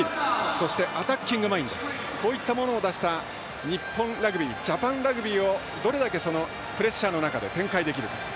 そして、アタッキングマインドこういったものを出した日本ラグビージャパンラグビーをどれだけプレッシャーの中で展開できるか。